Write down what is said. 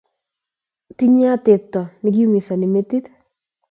Tinyei atepto nekiumizani metit